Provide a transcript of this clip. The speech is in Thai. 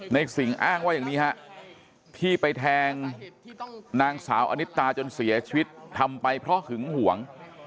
สิ่งอ้างว่าอย่างนี้ฮะที่ไปแทงนางสาวอนิตาจนเสียชีวิตทำไปเพราะหึงห่วง